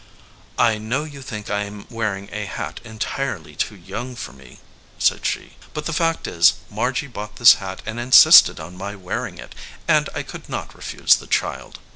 "I k*"ow you think I am wearing a hat entirely too young for me/ 1 said she; "but the fact is, Margy bought this hat and insisted on my wearing it, and I could not refuse the child.